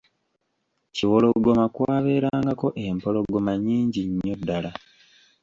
Kiwologoma kwabeerangako empologoma nnyingi nnyo ddala.